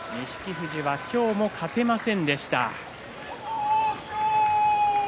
富士は今日も勝てませんでした。